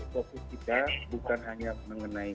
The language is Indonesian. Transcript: fokus kita bukan hanya mengenai